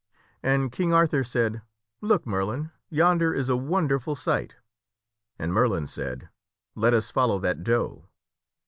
And King Arthur said, "Look, Merlin, yonder is a wonderful sight." And Merlin said, " Let us follow that doe."